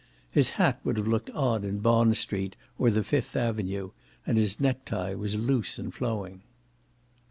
His hat would have looked odd in Bond Street or the Fifth Avenue, and his necktie was loose and flowing.